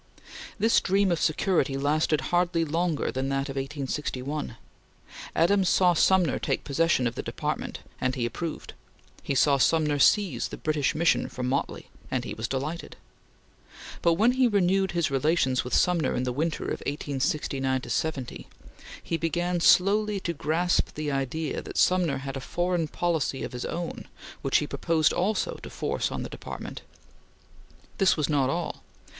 This dream of security lasted hardly longer than that of 1861. Adams saw Sumner take possession of the Department, and he approved; he saw Sumner seize the British mission for Motley, and he was delighted; but when he renewed his relations with Sumner in the winter of 1869 70, he began slowly to grasp the idea that Sumner had a foreign policy of his own which he proposed also to force on the Department. This was not all.